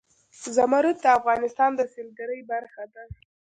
زمرد د افغانستان د سیلګرۍ برخه ده.